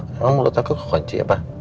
emang mulut aku kekunci apa